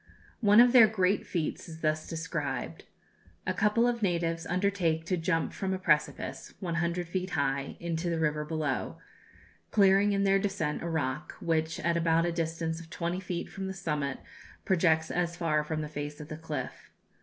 One of their great feats is thus described: A couple of natives undertake to jump from a precipice, one hundred feet high, into the river below, clearing in their descent a rock, which at about a distance of twenty feet from the summit, projects as far from the face of the cliff.